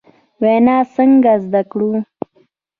وینا څنګه زدکړو ؟